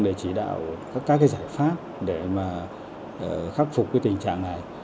để chỉ đạo các giải pháp để khắc phục tình trạng này